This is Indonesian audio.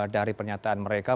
dari pernyataan mereka